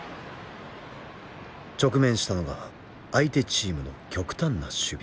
直面したのが相手チームの極端な守備。